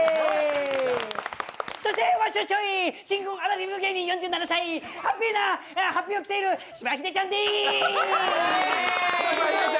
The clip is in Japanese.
そして新婚アラフィフ芸人４７歳、ハッピーな法被を着ているしばひでちゃんです！